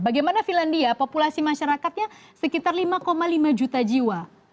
bagaimana finlandia populasi masyarakatnya sekitar lima lima juta jiwa